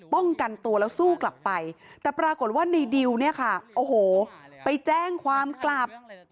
ป้องกันตัวแล้วสู้กลับไปแต่ปรากฏว่าในดิวเนี่ยค่ะโอ้โหไปแจ้งความกลับ